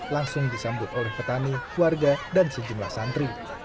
langsung disambut oleh petani warga dan sejumlah santri